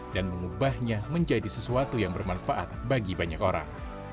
dan mengubahnya menjadi sesuatu yang bermanfaat bagi banyak orang